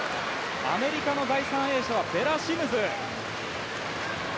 アメリカの第３泳者はベラ・シムズ。